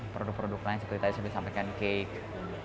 produk produk lain seperti tadi saya sampaikan cake